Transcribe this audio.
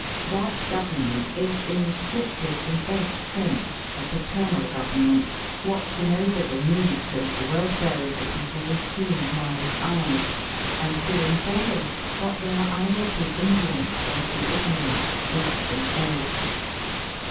That Govern ment is in the strictest and best sense a paternal government, watching over the needs and the weKare of the people with keen, wise eyes, and doing for them what they are either too indolent or too ignorant to do for them selves.